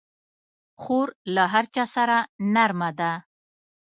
خور له هر چا سره نرمه ده.